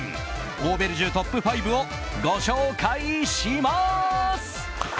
オーベルジュトップ５をご紹介します。